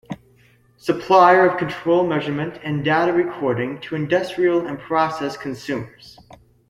Supplier of control measurement and data recording to industrial and process consumers.